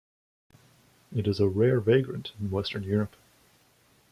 It is a rare vagrant in western Europe.